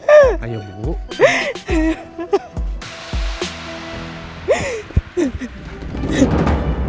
apa dia sudah ditemukan